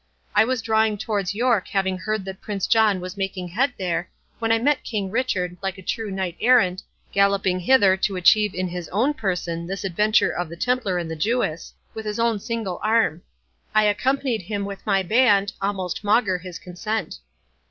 I was drawing towards York having heard that Prince John was making head there, when I met King Richard, like a true knight errant, galloping hither to achieve in his own person this adventure of the Templar and the Jewess, with his own single arm. I accompanied him with my band, almost maugre his consent."